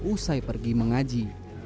usai pergi mengaji